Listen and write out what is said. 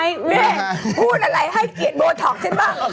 เนี่ยพูดอะไรให้เกลียดโบท็อกซ์ฉันบ้าง